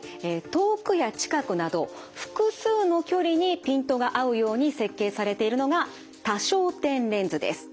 遠くや近くなど複数の距離にピントが合うように設計されているのが多焦点レンズです。